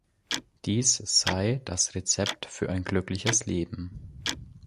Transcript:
Dies sei das Rezept für ein glückliches Leben.